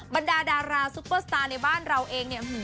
บรรดาดาราซุปเปอร์สตาร์ในบ้านเราเองเนี่ย